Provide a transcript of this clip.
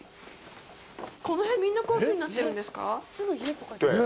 この辺、みんな、こういうふうになってるんですか。